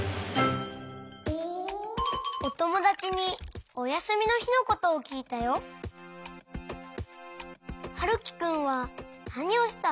おともだちにおやすみのひのことをきいたよ。はるきくんはなにをしたの？